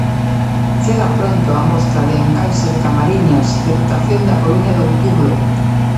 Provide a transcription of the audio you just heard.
Chega pronto a mostra de encaixe de Camariñas Deputación da Coruña de outubro.